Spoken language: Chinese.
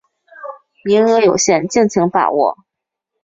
名额有限，敬请把握